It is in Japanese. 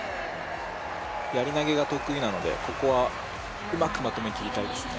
やり投が得意なので、ここはうまくまとめたいですね。